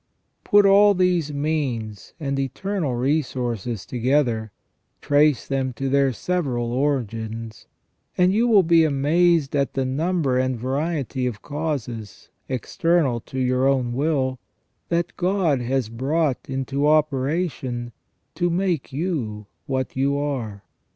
Put all these means and eternal resources together, trace them to their several origins, and you will be amazed at the number and variety of causes, external to your own will, that God has brought into operation to make you what you are.